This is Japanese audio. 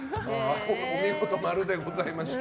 お見事、○でございました。